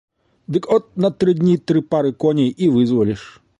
Дык от на тры дні тры пары коней і вызваліш.